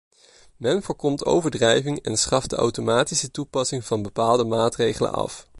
Men voorkomt overdrijving en schaft de automatische toepassing van bepaalde maatregelen af.